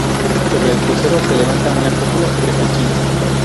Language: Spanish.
Sobre el crucero se levanta una cúpula sobre pechinas.